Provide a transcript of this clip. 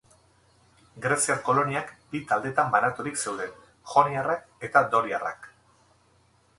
Greziar koloniak bi taldetan banaturik zeuden, Joniarrak eta Doriarrak.